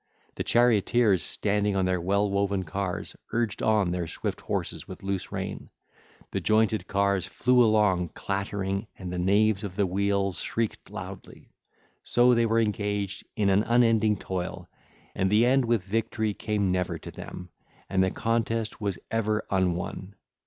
The charioteers standing on their well woven cars, urged on their swift horses with loose rein; the jointed cars flew along clattering and the naves of the wheels shrieked loudly. So they were engaged in an unending toil, and the end with victory came never to them, and the contest was ever unwon.